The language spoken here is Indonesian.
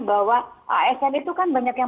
bahwa asn itu kan banyak yang